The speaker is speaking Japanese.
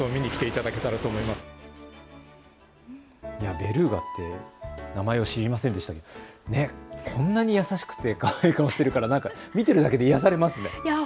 ベルーガって名前を知りませんでしたけどこんなに優しくてかわいい顔してるから見てるだけで癒やされますね。